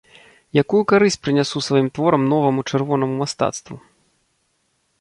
Якую карысць прынясу сваім творам новаму чырвонаму мастацтву?